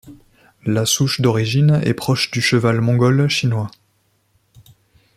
La souche d'origine est proche du cheval mongol chinois.